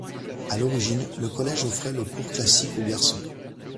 À l'origine, le collège offrait le cours classique aux garçons.